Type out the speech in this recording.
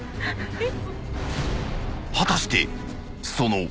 えっ！？